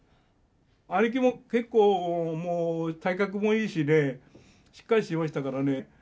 兄貴も結構もう体格もいいしねしっかりしてましたからね。